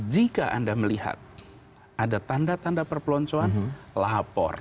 jika anda melihat ada tanda tanda perpeloncoan lapor